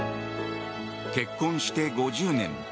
結婚して５０年。